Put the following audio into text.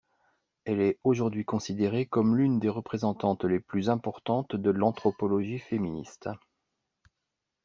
Elle est aujourd'hui considérée comme l'une des représentantes les plus importantes de l'anthropologie féministe.